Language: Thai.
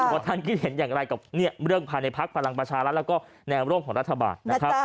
ว่าท่านคิดเห็นอย่างไรกับเรื่องภาในภาคภารังประชารัฐและแนวโลกของรัฐบาล